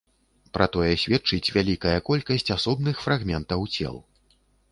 Пра тое сведчыць вялікая колькасць асобных фрагментаў цел.